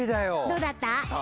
どうだった？